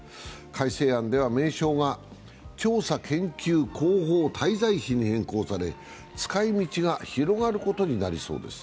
改正案では名称が調査研究広報滞在費に変更され使い道が広がることになりそうです。